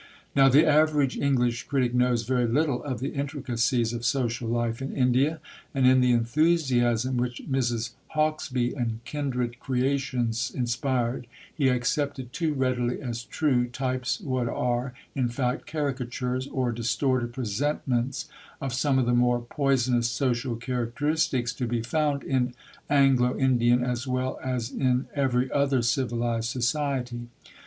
"Now the average English critic knows very little of the intricacies of social life in India, and in the enthusiasm which Mrs. Hauksbee and kindred creations inspired he accepted too readily as true types what are, in fact, caricatures, or distorted presentments, of some of the more poisonous social characteristics to be found in Anglo Indian as well as in every other civilised society....